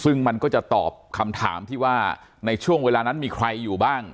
ซึ่งมันก็จะตอบคำถามที่ว่าในช่วงเวลานั้นมีใครอยู่บ้าง